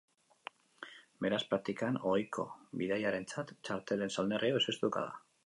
Beraz, praktikan, ohiko bidaiarientzat txartelen salneurria izoztuko da.